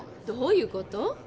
どういうこと？